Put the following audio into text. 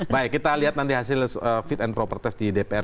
baik kita lihat nanti hasil fit and proper test di dpr